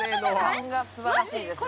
勘がすばらしいですね。